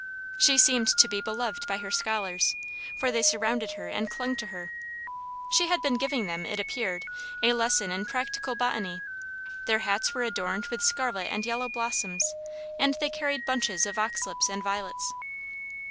She seemed to be beloved by her scholars, for they surrounded her and clung to her. She had been giving them, it appeared, a lesson in practical botany; their hats were adorned with scarlet and yellow blossoms, and they carried bunches of oxlips and violets.